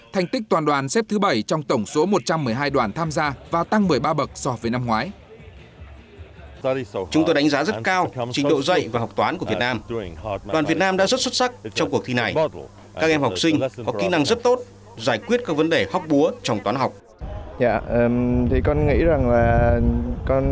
thành tích toàn đoàn xếp thứ bảy trong tổng số một trăm một mươi hai đoàn tham gia và tăng một mươi ba bậc so với năm ngoái